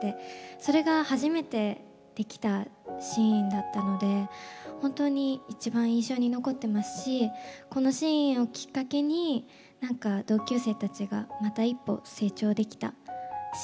それが初めてできたシーンだったので本当に一番印象に残ってますしこのシーンをきっかけに何か同級生たちがまた一歩成長できたシーンかなって思います。